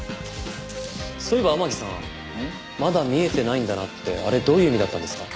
そういえば天樹さん「まだ見えてないんだな」ってあれどういう意味だったんですか？